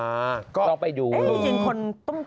อ่าก็ต้องไปดูอืมเอ้ยจริงคนต้ม